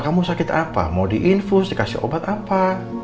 kamu sakit apa mau diinfus dikasih obat apa